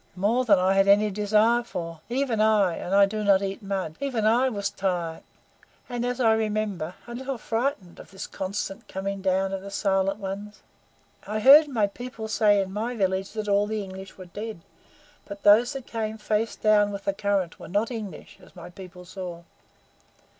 "More than I had any desire for. Even I and I do not eat mud even I was tired, and, as I remember, a little frightened of this constant coming down of the silent ones. I heard my people say in my village that all the English were dead; but those that came, face down, with the current were NOT English, as my people saw.